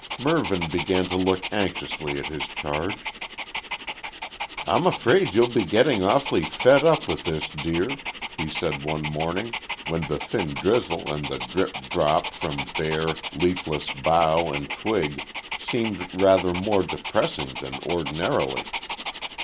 Mervyn began to look anxiously at his charge. "I'm afraid you'll be getting awfully fed up with this, dear," he said one morning, when the thin drizzle and the drip drip from bare, leafless bough and twig seemed rather more depressing than ordinarily.